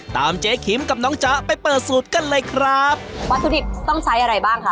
เจ๊คิมกับน้องจ๊ะไปเปิดสูตรกันเลยครับวัตถุดิบต้องใช้อะไรบ้างคะ